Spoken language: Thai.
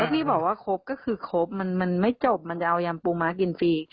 ที่บอกว่าครบก็คือครบมันไม่จบมันจะเอายำปูม้ากินฟรี